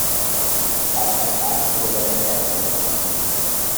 A San Alfio le arrancaron la lengua.